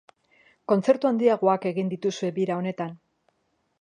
Kontzertu handiagoak egin dituzue bira honetan.